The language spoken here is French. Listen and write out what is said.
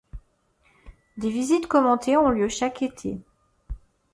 Des visites commentées ont lieu chaque été.